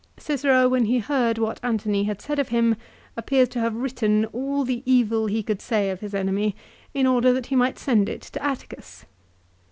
Cicero when he heard what Antony had said of him appears to have written all the evil he could say of his enemy, in order that he might send it to Atticus.